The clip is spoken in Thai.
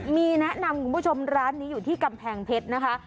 มีแนะนำคุณผู้ชมร้านนี้อยู่ที่กำแพงเพชรนะคะ